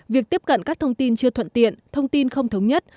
việc tiếp cận các thông tin chưa thuận tiện thông tin không thống nhất